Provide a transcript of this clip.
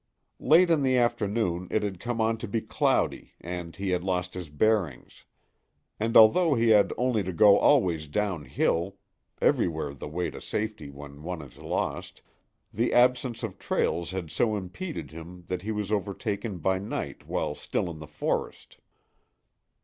Late in the afternoon it had come on to be cloudy, and he had lost his bearings; and although he had only to go always downhill—everywhere the way to safety when one is lost—the absence of trails had so impeded him that he was overtaken by night while still in the forest.